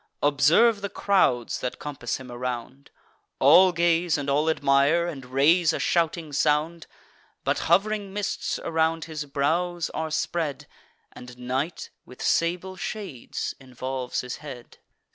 Observe the crowds that compass him around; All gaze, and all admire, and raise a shouting sound: But hov'ring mists around his brows are spread, And night, with sable shades, involves his head."